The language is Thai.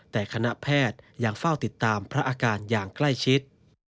แต่คณะแพทย์ยังเฝ้าติดตามพระอาการอย่างใกล้ชิด